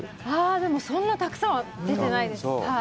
でもそんなたくさんは出てないです。